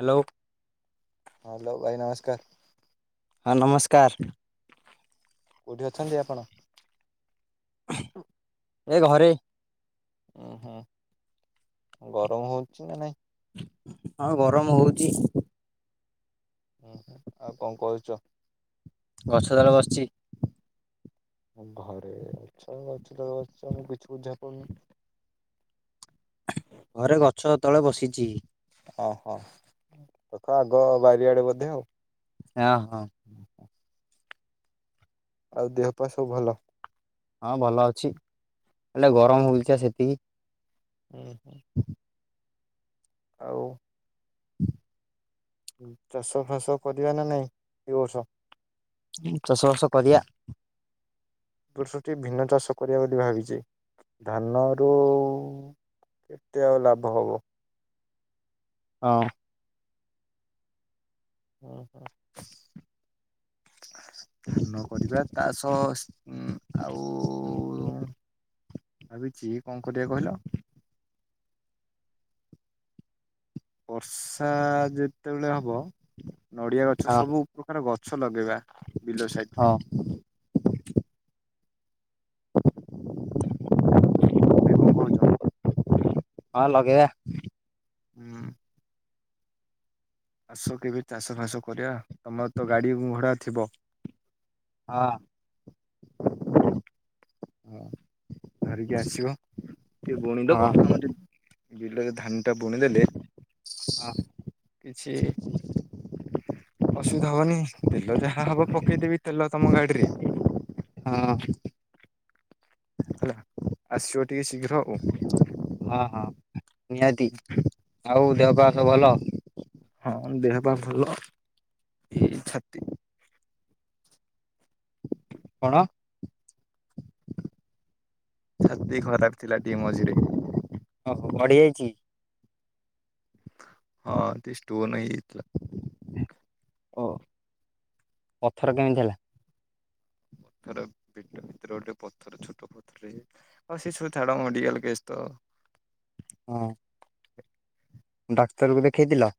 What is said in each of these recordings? Hello. ହଁ hello ଭାଇ ନମସ୍କାର। ହଁ ନମସ୍କାର। କୋଉଠି ଅଛନ୍ତି ଆପଣ? ଏ ଘରେ। ଉଁ ହୁଁ ଗରମ ହଉଛି ନା ନାଇଁ। ହଁ ଗରମ ହଉଚି। ଆଉ କଣ କରୁଚ। ଗଛ ତଳେ ବସଚି। ଘରେ ଅଛ ଅଛି ତ ବସିଛ [inaudible] ଘରେ ଗଛ ତଳେ ବସିଚି। ଓହୋ ଦେଖ ଆଗ ବାରିଆଡେ ବୋଧେ ଆଉ। ହଁ ହଁ। ଆଉ ଦେହ ପା ସବୁ ଭଲ। ହଁ ଭଲ ଅଛି ହେଲେ ଗରମ ହଉଛି ପା ସେତିକି। ହୁଁ। ଆଉ। ଚାଷ ଫାସ କରିବା ନା ନାଇଁ ଏ ବର୍ଷ। ଚାଷ ବାଷ କରିବା। ବର୍ଷଟି ଭିନ୍ନ ଚାଷ କରିବା ବୋଲି ଭାବିଛି ଧାନରୁ କେତେ ଆଉ ଲାଭ ହବ। ହଁ। ହୁଁ ହୁଁ। ଧାନ କରିବା ତା ସହ ଆଉ ଉ। ଭାବିଛି କଣ କରିବା କହିଲ। ବର୍ଷା ଯେତେବେଳେ ହବ ନଡିଆ ଗଛ ହଁ ସବୁ ପ୍ରକାର ଗଛ ଲଗେଇବା। ବିଲ ସାଇଟରେ ହଁ ନା କଣ କହୁଛ? ହଁ ଲଗେଇବା। ହୁଁ ଆସ କେବେ ଚାଷ ଫାସ କରିବା ତମର ତ ଗାଡି଼ ଘଡା ଥିବ। ହଁ ହଁ ଧରିକି ଆସିବ ଟିକେ ବୁଣୀ ଦବ ହଁ ଆମର ଟିକେ ବିଲରେ ଧାନ ଟା ବୁଣିଦେଲେ ହଁ କିଛି ଅସୁବିଧା ହବନି ତେଲ ଯାହା ହବ ପକେଇଦେବି। ତେଲ ତମ ଗାଡିରେ। ହଁ ହେଲା ଆସିବ ଟିକେ ଶୀଘ୍ର ଆଉ। ହଁ ହଁ ନିହାତି ଆଉ ଦେହ ପା ସବୁ ଭଲ? ହଁ ଦେହ ପା ଭଲ ଏଇ ଛାତି କଣ? ଛାତି ଖରାପ ଥିଲା ଟିକେ ମଝିରେ। ଓ ପଢିବ କି? ହଁ ତି ଷ୍ଟୋନ ହେଇଯାଇଥିଲା। ଓ ପଥର କେମିତି ହେଲା? ପଥର ପେଟ ଭିତରେ ଗୋଟେ ପଥର ଛୋଟ ପଥର ହେଇଯାଇଥିଲା। ହଁ ସେ ସବୁ ଛାଡ଼ ମେଡିକାଲ କେସ୍ ତ ଆଉ। ହୁଁ। ଡାକ୍ତରକୁ ଦେଖେଇଥିଲ?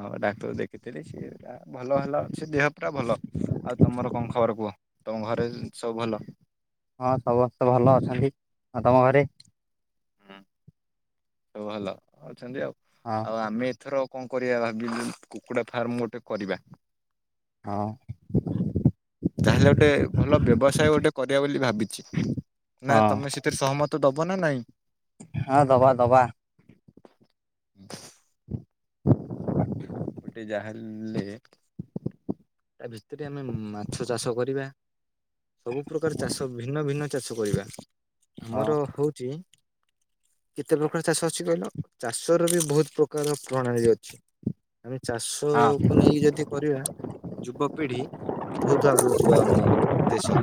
ହଁ ଡାକ୍ତର ଦେଖିଥିଲି ସିଏ ଭଲ ହେଲା ସେ ଦେହ ପୁରା ଭଲ। ଆଉ ତମର କଣ ଖବର କୁହ ତମ ଘରେ ସବୁ ଭଲ? ହଁ ସମବସ୍ତେ ଭଲ ଅଛନ୍ତି। ହଁ ତମ ଘରେ? ସବୁ ଭଲ ଅଛନ୍ତି ଆଉ। ହଁ। ଆଉ ଆମେ ଏଥର କଣ କରିବା ଭାବି ବି କୁକୁଡା ଫାର୍ମ ଗୋଟେ କରିବା। ହଁ। ଯାହା ହେଲେ ଗୋଟେ ଭଲ ବ୍ୟବସାୟ ଗୋଟେ କରିବା ବୋଲି ଭାବିଚି ନା ତମେ ହଁ ସେ ଏଥିରେ ସହମତ ଦବ ନା ନାଇଁ? ହଁ ଦବା ଦବା। ହୁଁ। ଗୋଟେ ଯାହା ହେଲେ ତା ଭିତରେ ଆମେ ମାଛ ଚାଷ କରିବା ସବୁ ପ୍ରକାର ଚାଷ ଭିନ୍ନ ଭିନ୍ନ ଚାଷ କରିବା ହଁ ଆମର ହୋଉଚି କେତେ ପ୍ରକାର ଚାଷ ଅଛି କହିଲ ଚାଷର ବି ବହୁତ ପ୍ରକାର ପ୍ରଣାଳୀ ଅଛି। ଆମେ ହଁ ଚାଷକୁ ନେଇକି ଯଦି କରିବା ଯୁବପିଢି ବହୁତ ଆଗକୁ ଯିବ ଆମ ଦେଶ।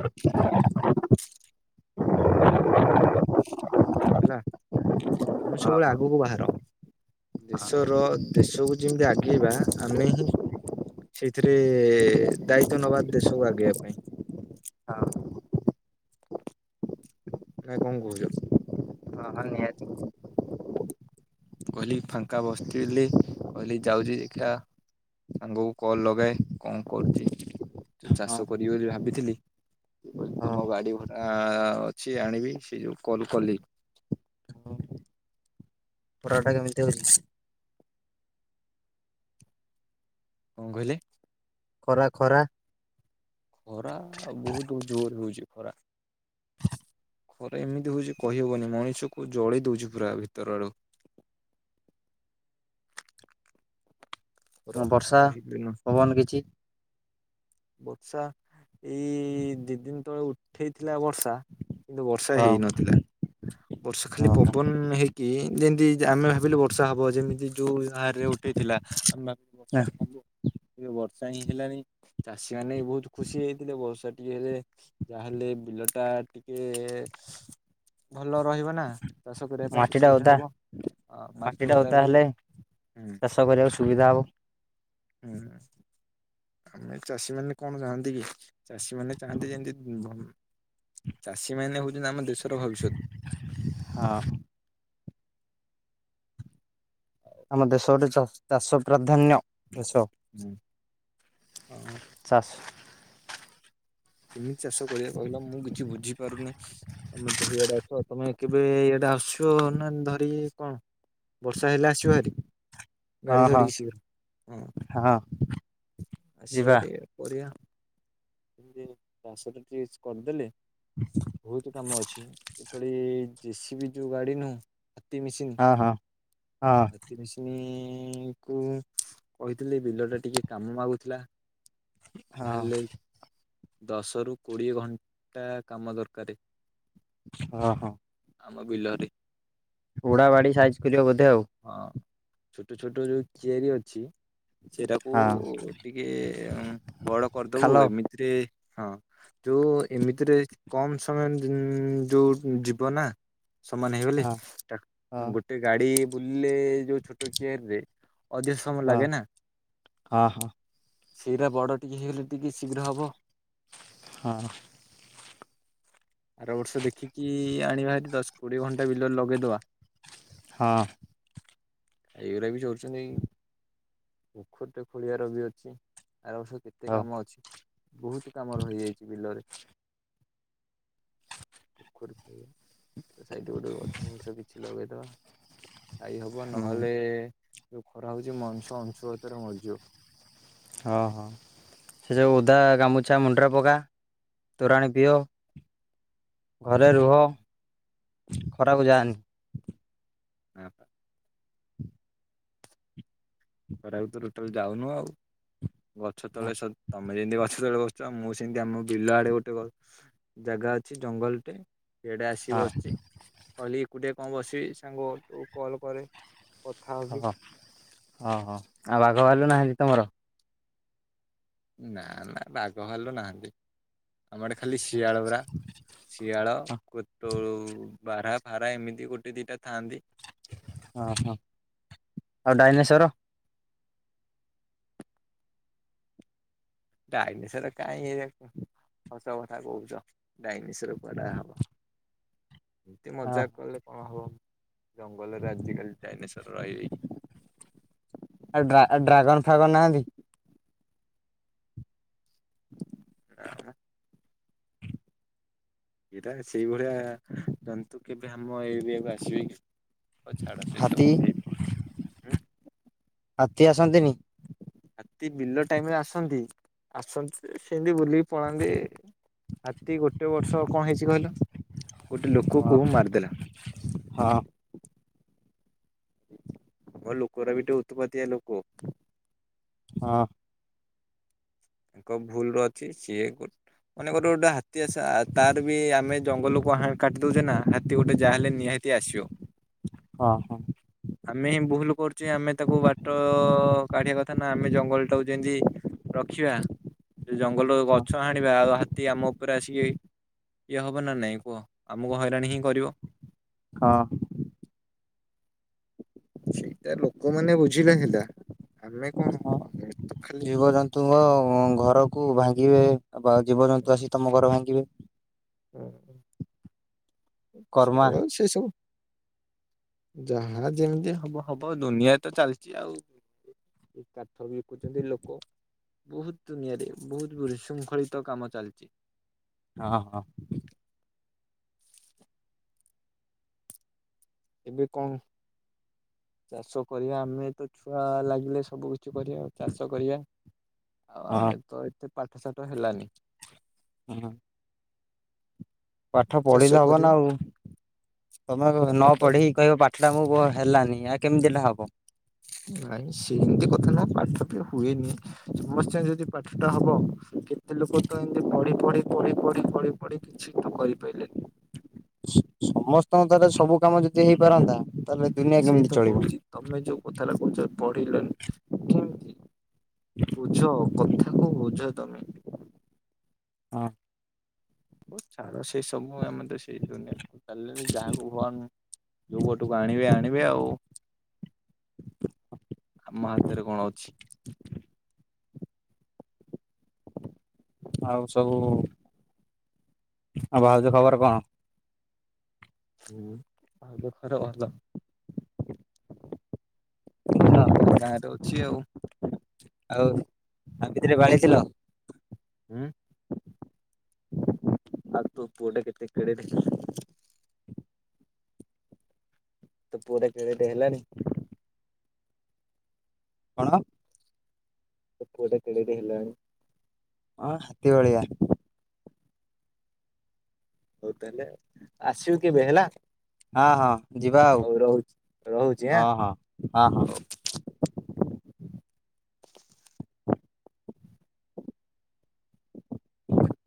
ହେଲା ତମେ ସବୁବେଳେ ଆଗକୁ ବାହାର। ଦେଶର ଦେଶକୁ ଯେମିତି ଆଗେଇବା ଆମେ ହିଁ ସେଇଥିରେ ଦାୟିତ୍ଵ ନବା ଦେଶକୁ ଆଗେଇବା ପାଇଁ। ହଁ ନା କଣ କହୁଚ? ହଁ ହଁ ନିହାତି। ମୁଁ କହିଲି ଫାଙ୍କା ବସିି ବାସି ଥିଲି କହିଲି ଯାଉଚି ଦେଖିଆ ସାଙ୍ଗକୁ କଲ୍ ଲଗାଏ କଣ କରୁଚି ତୁ ହଁ ଚାଷ କରିବି ବୋଲି ଭାବିଥିଲି ହଁ ତମ ଗାଡି ଭଡା ଅଛି ଆଣିବି ସେ ଯୋଉ କଲ୍ କଲି ପରଅଟା କେମିତି ହୁଏ? କଣ କହିଲେ? ଖରା ଖରା ଖରା ବହୁତ ଜୋର୍ ରେ ହୋଉଚି ଖରା। ଖରା ଏମିତି ହୋଉଚି କହିହବନି ମଣିଷକୁ ଜଳେଇ ଦୋଉଚି ପୁରା ଭିତର ଆଡୁ। ପୁରା ବର୍ଷା କହିଲେ ନ ପବନ କିଛି ବର୍ଷା ଏଇ ଦି ଦିନ ତଳେ ଉଠେଇଥିଲା ବର୍ଷା କିନ୍ତୁ ବର୍ଷା ହଁ ହେଇନଥିଲା। ବର୍ଷା ଖାଲି ହଁ। ପବନ ହେଇକି ଯେମିତି ଜା ଆମେ ଭାବିଲୁ ବର୍ଷା ହବ ଯେମିତି। ଯୋଉ ଭଳି ବାହାରେ ଉଠେଇଥିଲା ଆମେ ଭାବିଲୁ ବର୍ଷା ହବ [inaudible] ବର୍ଷା ହିଁ ହେଲାନି। ଚାଷୀ ମାନେ ବି ବହୁତ ଖୁସି ହେଇଥିଲେ ବର୍ଷା ଟିକେ ହେଲେ। ଯାହାହେଲେ ବିଲ ଟା ଟିକେ ଭଲ ରହିବ ନା। ଚାଷ କରିବା ପାଇଁ ଟିକେ ମାଟି ଟା ସୁବିଧା ଓଦା ହବ। ଆ ମାଟି ଓଦା ରହିଲେ ହୁଁ। ଚାଷ କରିବାକୁ ସୁବିଧା ହବ। [inaudible] ଆମେ ଚାଷୀ ମାନେ କଣ ଚାହାନ୍ତି କି? ଚାଷୀ ମାନେ ଚାହାନ୍ତି ଯେମିତି [unintelligible] ଚାଷୀ ମାନେ ହଉଛନ୍ତି ଆମ ଦେଶର ଭବିଷ୍ୟ। ହଁ। ଆମ ଦେଶ ଗୋଟେ ଚ ଚାଷ ପ୍ରାଧାନ୍ୟ ଦେଶ। ହୁଁ, ହଁ। ଚାଷ। କେମିତି ଚାଷ କରିବା କହିଲ ମୁଁ କିଛି ବୁଝି ପାରୁନି? ତମେ ତ ସେଇଆଡେ ଅଛ ତମେ କେବେ ଇଆଡେ ଆସୁଛ ନା ଧରିିକି କଣ? ବର୍ଷା ହେଲେ ଆସିବ ହେରି ହଁ ଗାଡି ହଁ ଧରିକି ଶୀଘ୍ର ହଁ। ହଁ। ଆସିବ ଯିବା ହେରି। ବଢିଆ! [inaudible] କରିଦେଲି। [inaudible] ବହୁତ କାମ ଅଛି। ଏପାଳି ଜେ ସି ବି ଯୋଉ ଗାଡି ନୁହଁ। ହାତୀ ହଁ ହଁ ହଁ। ପୁଣି କଉ କହିଥିଲି ବିଲ ଟା ଟିକେ କାମ ମାଗୁଥିଲା। ହଁ ଯାହାହେଲେ ଦଶରୁ କୋଡ଼ିଏ ଘଣ୍ଟା କାମ ଦରକାରେ। ଅହଁ। ଆମ ବିଲରେ। ଉଡା ବାଡି ସାଇଜ୍ କରିବା ବୋଧେ ଆଉ। ହଁ ଛୋଟ ଛୋଟ ଯୋଉ ଚିଆରି ଅଛି ସେଇଟା। କୁ ହଁ ଟିକେ ଉଁ ବଡ କରିଦବୁ ଖାଲ ଏମିତିରେ ହଁ। ଯୋଉ ଏମିତିରେ କମ ସମୟ ଇଁ ଯୋଉ ଯିବ ନା। ସମାନ ହେଇଗଲି ହଁ ଟା ହଁ ଉଁ ଗୋଟେ ଗାଡି। ବୁଲିଲେ ଯୋଉ ଛୋଟ କିଆରିରେ ଅଧିକ ସମୟ ହଁ। ଲାଗେ ନା। ହଁ ହଁ ସେଇଟା ବଡ଼ ଟିକେ ହେଇଗଲେ ଟିକେ ଶୀଘ୍ର ହବ। ହଁ। ଆର ବର୍ଷ ଦେଖିକି ଆଣିବା ହେରି ଦଶ, କୋଡିଏ ଘଣ୍ଟା ବିଲରେ ଲଗେଇଦବା। ହଁ। ଏଇଗୁରା ବି ଚରୁୁଛନ୍ତି। ପୋଖରୀଟେ ଖୋଳିବାର ବି ଅଛି ଆର ବର୍ଷ କୁ କେତେ ହଉ କାମ ଅଛି ବହୁତ କାମ ରହିଯାଇଛି ବିଲରେ। ପୋଖରୀକୁ ତା ସାଇଟରେ ଗୋଟେ ଗଛ ଫଛ କିଛି ଲଗେଇଦବା। ଯାଇ ହବ ହୁଁ ନହେଲେ ଯୋଉ ଖରା ହଉଛି ମଣିଷ ଅଂଶୁଘାତରେ ମରିଯିବ। ହଁ ହଁ। ସେ ଯେଉ ଓଦା ଗାମୁଛା ମୁଣ୍ଡ ରେ ପକା, ତୋରାଣି ପିଅ। ଘରେ ରୁହ ଖରାକୁ ଯାନି। ନା ପା। ଖରାକୁ ତ ଟୋଟାଲ ଯାଉନୁ ଆଉ ଗଛ ହଁ ତଳେ ସ ତ ତମେ ଯେମିତି ଗଛ ତଳେ ବସୁଛ ମୁଁ ସେମିତି ଆମ ବିଲ ଆଡେ ଗୋଟେ ଗ ଜାଗା ଅଛି ଜଙ୍ଗଲଟେ। ଇଆଡ଼େ ଆସିି ହଁ ବସିଛି କହିଲି ଏକୁଟିଆ କଣ ବସିବି ସାଙ୍ଗ ଟ କଲ କରେ। କଥା ହବି। ଅ ହ‌‌‌ ଆଉ ବାଘ, ଭାଲୁ ନାହାଁନ୍ତି ତମର? ନା ନା ବାଘ, ଭାଲୁ ନାହାନ୍ତି। ଆମ ଆଡ଼େ ଖାଲି ଶିଆଳ ଗୁରା ଶିଆଳ, କୁତୁଳୁ ବାରା ଫାରା ଏମିତି ଗୋଟେ ଦିଟା ଥାଆନ୍ତି। ହଁ ହଁ ଆଉ ଡାଇନେଶର। ଡାଇନେଶର କାଇଁ ଏ ହସ କଥା କହୁଛ ଡାଇନେଶର। କୁଆଡା ହବ ଏମିତି ହଁ ମଜା କଲେ କଣ ହବ। ଜଙ୍ଗଲରେ ଆଜିକାଲି ଡ଼ାଇନେଶ୍ୱର ରହିବେ କି? ଆଉ ଡ୍ରା ଡ୍ରାଗନ ଫାଗନ ନାହାନ୍ତି? ଆ। ଏଟା ସେଇଭଳିଆ ଜନ୍ତୁ କେବେ ଆମ ଏରିଆକୁ ଆସିବେ କି। ହଉ ଛାଡ଼ ସେ ହାତୀ ସବୁ। [unintelligible] ହାତୀ ଆସନ୍ତିନି? ହାତୀ ବିଲ ଟାଇମରେ ଆସନ୍ତି। ଆସନ୍ତି ଯେ ସେମିତି ବୁଲିକି ପଳାନ୍ତି। ହାତୀ ଗୋଟେ ବର୍ଷ କଣ ହେଇଛି କହିଲ ଗୋଟେ ହଁ ଲୋକକୁ ମାରିଦେଲା। ହଁ। ଅ ଲୋକଗୁରାବି ଉତ୍ ପାତିଆ ଲୋକ। ହଁ। ତାଙ୍କ ଭୁଲ ଅଛି ସିଏ କୁଟ ମାନେ ଗୋଟେ ଗୋଟେ ହାତୀ ଆସ ଆ ତାର ବି ଆମେ ଜଙ୍ଗଲକୁୁ ହା କାଟି ଦଉଛେ ନା ହାତୀ ଗୋଟେ ଯାହା ହେଲେ ନିହା ତି ଆସିବ। ହଁ ହଁ। ଆମେ ଭୁଲ କରୁଛେ ଆମେ ତାକୁ ବାଟ ଅ କାଢିବା କଥା ନା ଆମେ ଜଙ୍ଗଲ ଟାକୁ ଯେନ୍ତି [inaudible] ଦେଖିବା ସେ ଜଙ୍ଗଲ କୁ ହଁ ଗଛ ହା ଦେଖିବା ଆଉ ହାତୀ ଆମ ଉପରେ ଆସିକି ଇଏ ହବ ନା ନାଇଁ କୁହ ଆମକୁ ହଇରାଣ ହିଁ କରିବ। ହଁ। ସେଇଟା ଲୋକମାନେ ବୁଝିଲେ ହେଲା। ଆମେ କଣ ହଁ ତ ଖାଲି ଜୀବଜନ୍ତୁଙ୍କ ଘରକୁ ଭାଙ୍ଗିବେ। ଆଉ ବା ଜୀବଜନ୍ତୁ ଆସି ତମ ଘର ଭାଙ୍ଗିବେ। ହ ଆଛା କର୍ମା ସେସବୁ ଯାହା ଯେମିତି ହବ ହବ ଦୁନିଆ ତ ଚାଲିଛି ଆଉ। କାଠ ବିକୁଚନ୍ତି ଲୋକ ବହୁତ ଦୁନିଆରେ ବହୁତ ବିଶୃଙ୍ଖଳିତ କାମ ଚାଲିଚି। ହଁ ହଁ। ଏବେ କଣ ଚାଷ କରିବା ଆମେ ତ ଛୁଆ ଲାଗିଲେ ସବୁ କି କିଛି କରିବା ଚାଷ କରିବା ଆଉ ହଁ ଆମେ ତ ଏତେ ପାଠସାଠ ହେଲାନି। ହଁ। ପାଠ ଚାଷ ପଢିଲେ ହବ କରିବୁ। ନା ଆଉ ତମେ କ ପାଠ ନ ତ ପଢିକି କହିବ ପା ଠ ଟା [unintelligible] ହେଲାନି ଆ କେମିତି ହେଲା ହବ। ନାଇଁ ସେମିତି କଥା ନୁହଁ ପାଠ ବି ହୁଏନି। ସମସ୍ତ ଯଦି ପାଠ ଟା ହବ କେ ଲୋକ ତ ଏମିତି ପଢି ପଢି ପଢି ପଢିି ପଢି ପଢି କିଛି ତ କରିପାରିଲେନି। ସମସ୍ତଙ୍କ ଦ୍ୱାରା ସବୁ କାମ ଯଦି ହେଇପାରନ୍ତା ତାହେଲେ ଦୁନିଆ ସେଇ ତ କେମିତି ଚଳିବ। କହୁଛି। ତମେ ଯୋଉ କଥାଟା କହୁଛ ପଢିଲନି କେମିତି ବୁଝ କଥା। ତାକୁ ବୁଝ ତମେ। ହଁ। ହୋଉ ଛାଡ ସେଇ ସବୁ ଆମେତ ସେଇ ଦୁନିଆକୁ ଚାଲିଲେଣି ଯାହାଙ୍କୁ ଭଙ୍ଗବାନ ଯୋଉପଟୁକୁ ଆଣିବେ ଆଣିବେ ଆଉ। ଆମ ହାତରେ କଣ ଅଛି। ଆଉ ସବୁ ଆଉ ଭାଉଜ ଖବର କଣ? ହୁଁ ଭାଉଯ ଖବର ଭଲ। ଭଲ ସିଏ ତାଙ୍କ ଗାଁରେ ଅଛି ଆଉ। ଆଉ ଆଉ କେତେଟା ବାଡେଇଥିଲ? ଉଁ। ଆଉ ତୋ ପୁଅଟା କେତେ କେଡେଟେ ହେ ତୋ ପୁଆଟା କେଡେଟେ ହେଲାଣି? କଣ? ତୋ ପୁଅଟା କେଡେଟେ ହେଲାଣି? ହଁ ହାତୀ ଭଳିଆ। ହୋଉ ତାହେଲେ ଆସିବୁ କେବେ ହେଲା। ହଁ ହଁ ଯିବା ଆଉ ହୋଉ ରୋହୁଚି ରୋହୁଚି ହଁ ଆଁ ହଁ ହଁ ହଁ। ହୋଉ। [inaudible]